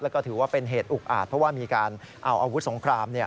แล้วก็ถือว่าเป็นเหตุอุกอาจเพราะว่ามีการเอาอาวุธสงคราม